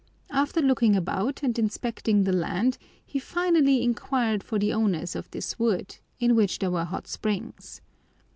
After looking about and inspecting the land, he finally inquired for the owners of this wood, in which there were hot springs.